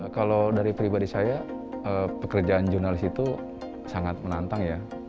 kalau dari pribadi saya pekerjaan jurnalis itu sangat menantang ya